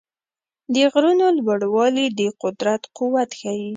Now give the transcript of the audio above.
د غرونو لوړوالي د قدرت قوت ښيي.